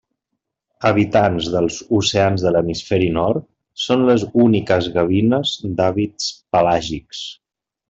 Habitants dels oceans de l'hemisferi nord, són les úniques gavines d'hàbits pelàgics.